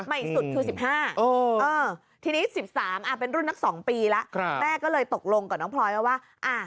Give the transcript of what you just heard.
ใหม่สุดคือ๑๕ทีนี้๑๓เป็นรุ่นนัก๒ปีแล้วแม่ก็เลยตกลงกับน้องพลอยว่า